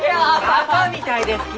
バカみたいですき！